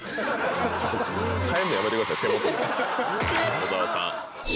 小沢さん。